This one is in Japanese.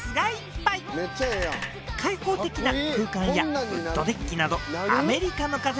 開放的な空間やウッドデッキなどアメリカの風